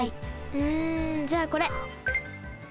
うんじゃあこれ。